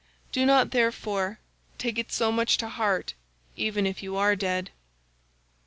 Do not, therefore, take it so much to heart even if you are dead.